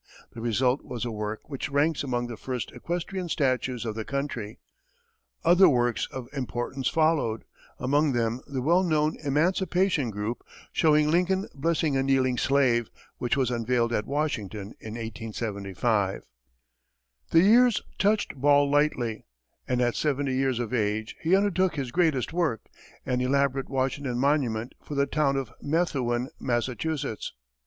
The result was a work which ranks among the first equestrian statues of the country. Other works of importance followed, among them the well known emancipation group showing Lincoln blessing a kneeling slave, which was unveiled at Washington in 1875. The years touched Ball lightly, and at seventy years of age, he undertook his greatest work, an elaborate Washington monument for the town of Methuan, Massachusetts.